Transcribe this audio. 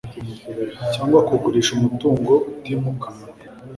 cyangwa kugurisha umutungo utimukanwa